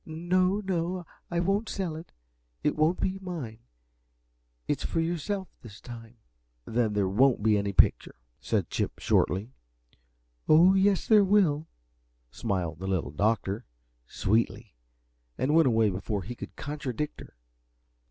"No no, I won't sell it, for it won't be mine. It's for yourself this time." "Then there won't be any picture," said Chip, shortly. "Oh, yes, there will," smiled the Little Doctor, sweetly, and went away before he could contradict her.